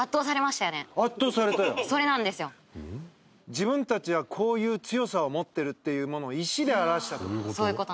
自分たちはこういう強さを持ってるっていうものを石で表したっていう事？